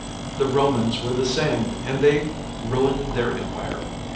The Romans were the same, and they ruined their empire.